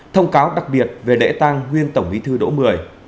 thông cáo đặc biệt về lễ tăng nguyên tổng ý thư đỗ mười